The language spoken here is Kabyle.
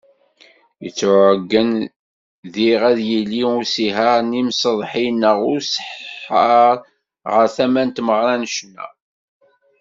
Yettuɛeggen diɣ ad yili usiher n yimseḍsi neɣ n useḥḥar ɣer tama n tmeɣra n ccna.